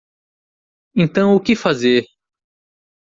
Então o que fazer